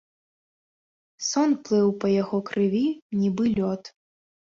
Сон плыў па яго крыві, нібы лёд.